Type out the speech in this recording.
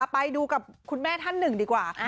ไปดูกับคุณแม่ท่านหนึ่งดีกว่า